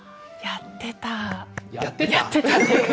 やってたっていうか。